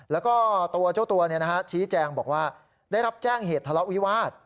แล้วก็ตัวเจ้าตัวชี้แจงบอกว่าได้รับแจ้งเหตุทะเลาะวิวาส